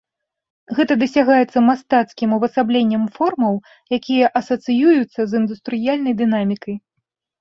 Гэта дасягаецца мастацкім увасабленнем формаў, якія асацыююцца з індустрыяльнай дынамікай.